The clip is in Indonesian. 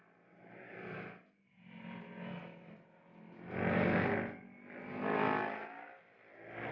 ray lu duluan aja ray biar gua yang ngalangi mereka